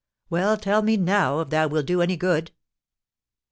"Well, tell me now, if that will do any good."